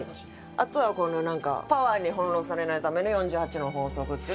あとはこの『権力に翻弄されないための４８の法則』っていうのが。